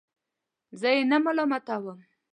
زه یې نه ملامتوم.